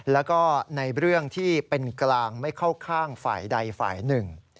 แล้วก็ในเรื่องที่เป็นกลางไม่เข้าข้างฝ่ายใดฝ่ายหนึ่ง